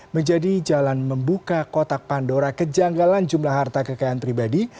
menjadi jalan membuka kotak pandora kejanggalan jumlah harta kekayaan pribadi